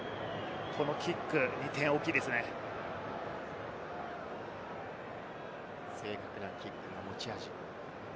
このキック２点は大きい正確なキックが持ち味。